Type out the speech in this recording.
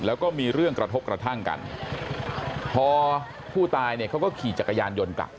แล้วก็มีเรื่องกระทบกระทั่งกันพอผู้ตายเนี่ยเขาก็ขี่จักรยานยนต์กลับ